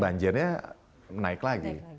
banjirnya naik lagi